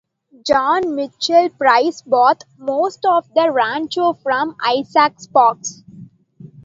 John Michael Price bought most of the rancho from Isaac Sparks.